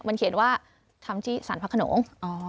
มันเขียนว่าทำที่สารพระขนง